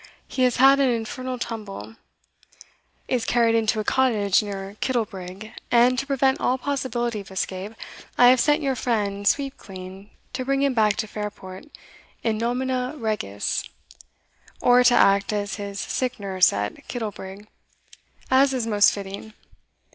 he has had an infernal tumble, is carried into a cottage near Kittlebrig, and to prevent all possibility of escape, I have sent your friend Sweepclean to bring him back to Fairport in nomine regis, or to act as his sick nurse at Kittlebrig, as is most fitting.